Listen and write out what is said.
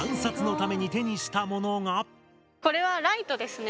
続いてこれはライトですね。